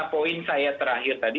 poin saya terakhir tadi